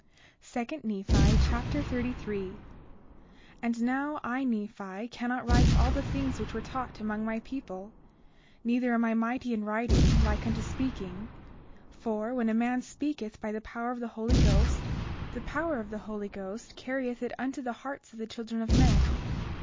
2 Nephi Chapter 33 33:1 And now I, Nephi, cannot write all the things which were taught among my people; neither am I mighty in writing, like unto speaking; for when a man speaketh by the power of the Holy Ghost the power of the Holy Ghost carrieth it unto the hearts of the children of men.